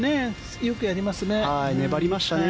よくやりますよね。